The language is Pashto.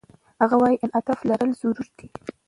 هغه وايي، انعطاف لرل ضروري دي.